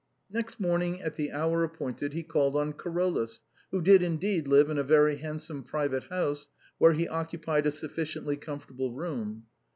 '' Next morning, at the hour appointed, he called on Caro lus, who did indeed live in a very handsome private house, where he occupied a sufficiently comfortable room.